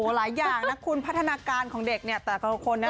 หลายอย่างนะคุณพัฒนาการของเด็กแต่ก็คนอีก